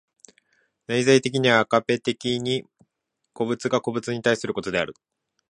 内在的にはアガペ的に個物が個物に対することである。